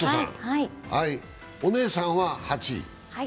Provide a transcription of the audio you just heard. お姉さんは８位。